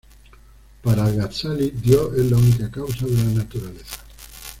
Para Al-Ghazali, Dios es la única causa de la naturaleza.